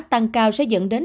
tăng cao sẽ dẫn đến nạn đồng